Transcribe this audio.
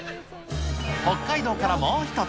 北海道からもう一つ。